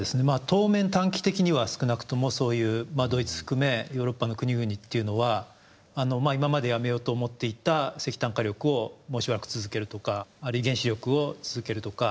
当面短期的には少なくともそういうドイツ含めヨーロッパの国々っていうのは今までやめようと思っていた石炭火力をもうしばらく続けるとか原子力を続けるとか。